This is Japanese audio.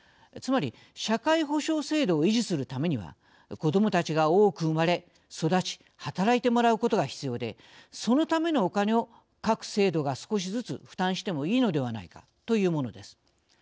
つまり社会保障制度を維持するためには子どもたちが多く生まれ育ち働いてもらうことが必要でそのためのお金を各制度が少しずつ負担してもいいのではないかというものです。